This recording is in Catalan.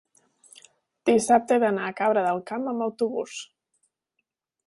dissabte he d'anar a Cabra del Camp amb autobús.